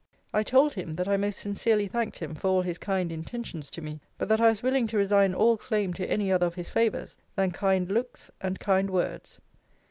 I told him, that I most sincerely thanked him for all his kind intentions to me: but that I was willing to resign all claim to any other of his favours than kind looks and kind words.